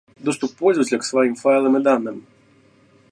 Доступ пользователя к своим файлам и данным